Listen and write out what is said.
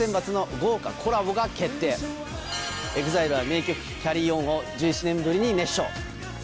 ＥＸＩＬＥは名曲『ＣａｒｒｙＯｎ』を１７年ぶりに熱唱。